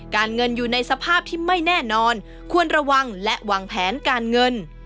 การเงินอยู่ในสภาพที่ไม่แน่นอนควรระวังและวางแผนการเงิน